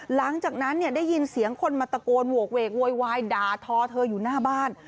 หลังจากนั้นเนี่ยได้ยินเสียงคนมาตะโกนโหกเวกโวยวายด่าทอเธออยู่หน้าบ้าน